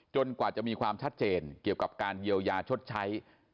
กว่าจะมีความชัดเจนเกี่ยวกับการเยียวยาชดใช้